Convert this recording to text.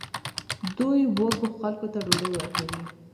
دوی وږو خلکو ته ډوډۍ ورکوي.